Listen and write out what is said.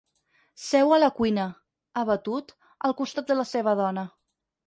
Seu a la cuina, abatut, al costat de la seva dona.